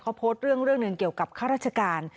เขาโพสต์เรื่องหนึ่งเกี่ยวกับข้าราชการ